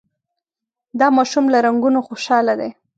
دا ماشوم له رنګونو خوشحاله دی.